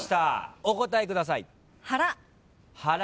お答えください。